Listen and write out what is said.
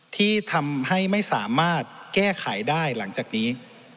ที่ทำให้ไม่สามารถแก้ไขได้หลังจากนี้